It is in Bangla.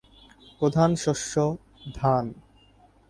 প্রধান শস্য: ধান।